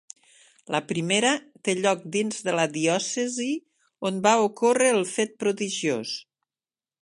La primera té lloc dins de la diòcesi on va ocórrer el fet prodigiós.